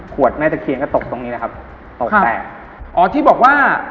ขวดแม่จักรเคียงก็ตกตรงนี้แหละครับครับตกแตกอ๋อที่บอกว่า